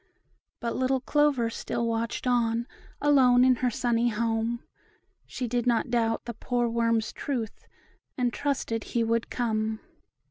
But little Clover still watched on, Alone in her sunny home; She did not doubt the poor worm's truth, And trusted he would come.